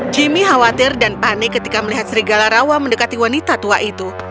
jimmy khawatir dan panik ketika melihat serigala rawa mendekati wanita tua itu